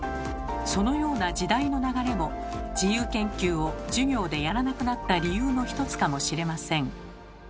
そのような時代の流れも自由研究を授業でやらなくなった理由の１つかもしれません。